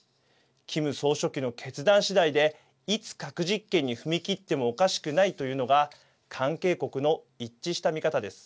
キム総書記の決断次第でいつ核実験に踏み切ってもおかしくないというのが関係国の一致した見方です。